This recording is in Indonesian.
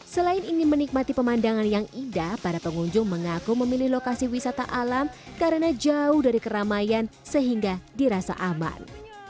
selain ingin menikmati pemandangan yang indah para pengunjung mengaku memilih lokasi wisata alam karena jauh dari keramaian sehingga dirasa aman